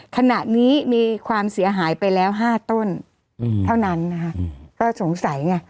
ขณะนี้มีความเสียหายไปแล้ว๕ต้นเท่านั้นนะคะก็สงสัยไง